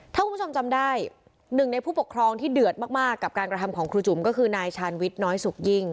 ถ้าคุณผู้ชมจำได้หนึ่งในผู้ปกครองที่เดือดมากกับการกระทำของครูจุ๋มก็คือนายชาญวิทย์น้อยสุกยิ่ง